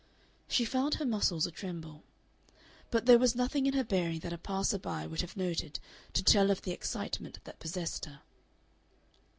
She found her muscles a tremble. But there was nothing in her bearing that a passer by would have noted, to tell of the excitement that possessed her.